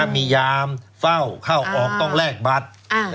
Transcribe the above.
มียามเฝ้าเข้าออกต้องแลกบัตร